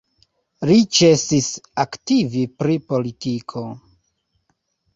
Li ĉesis aktivi pri politiko.